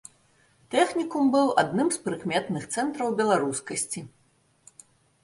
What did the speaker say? Тэхнікум быў адным з прыкметных цэнтраў беларускасці.